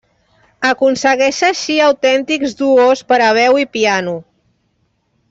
Aconsegueix així autèntics duos per a veu i piano.